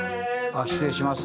失礼します。